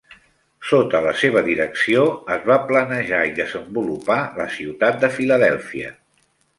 Sota la seva direcció es va planejar i desenvolupar la ciutat de Filadèlfia.